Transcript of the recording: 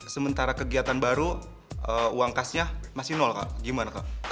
sementara kegiatan baru uang kasnya masih nol kak gimana kak